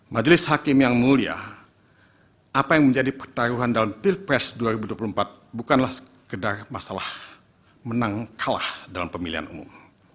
majelis hakim yang mulia apa yang menjadi pertaruhan dalam pilpres dua ribu dua puluh empat bukanlah sekedar masalah menang kalah dalam pemilihan umum